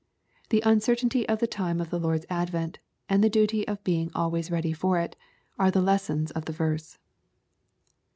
'i he uncertainty of the time of the Lord's advent, and the duty of being always ready for it, are the lessons of the verse.